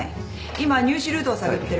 今入手ルートを探ってる。